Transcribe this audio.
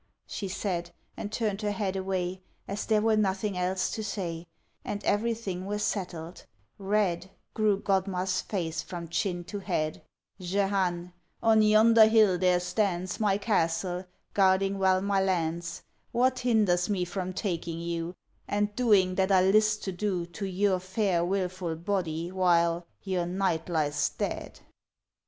She said, and turn'd her head away, As there were nothing else to say, And everything were settled: red Grew Godmar's face from chin to head: Jehane, on yonder hill there stands My castle, guarding well my lands; What hinders me from taking you, And doing that I list to do To your fair wilful body, while Your knight lies dead?